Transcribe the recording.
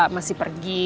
masih pergi kan